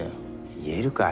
言えるかよ。